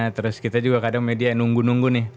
terus kita juga kadang media yang nunggu nunggu nih